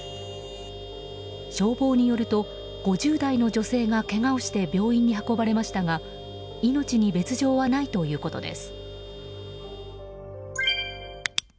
消防によると５０代の女性がけがをして病院に運ばれましたが命に別条はないということです。